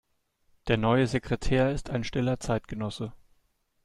Der neue Sekretär ist ein stiller Zeitgenosse.